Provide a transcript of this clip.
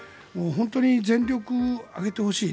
本当に全力を挙げてほしい。